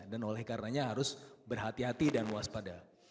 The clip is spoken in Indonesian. dan oleh karenanya harus berhati hati dan waspada